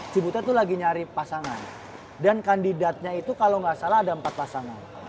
cibutet tuh lagi nyari pasangan dan kandidatnya itu kalo gak salah ada empat pasangan